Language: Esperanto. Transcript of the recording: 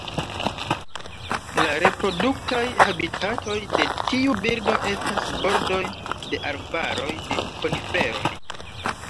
La reproduktaj habitatoj de tiu birdo estas bordoj de arbaroj de koniferoj.